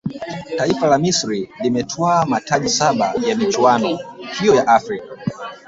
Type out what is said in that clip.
taifa la misri limetwaa mataji saba ya michuano hiyo ya afrika